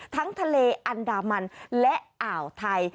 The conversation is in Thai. ทั้งทะเลอันดามันและอ่าวไทย